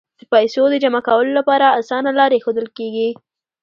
د پیسو د جمع کولو لپاره اسانه لارې ښودل کیږي.